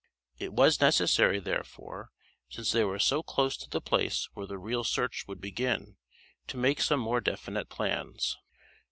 It was necessary, therefore, since they were so close to the place where the real search would begin, to make some more definite plans.